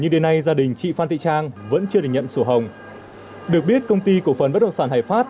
hãy đăng ký kênh để nhận thông tin nhất